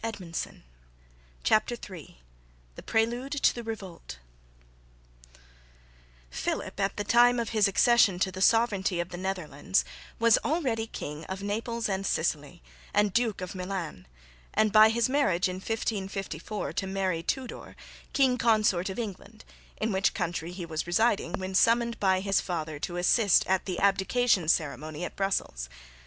CHAPTER III THE PRELUDE TO THE REVOLT Philip at the time of his accession to the sovereignty of the Netherlands was already King of Naples and Sicily, and Duke of Milan, and, by his marriage in 1554 to Mary Tudor, King consort of England, in which country he was residing when summoned by his father to assist at the abdication ceremony at Brussels.